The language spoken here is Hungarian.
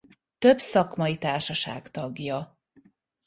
Több szakmai társaság tagja.